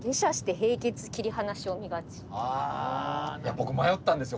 僕迷ったんですよ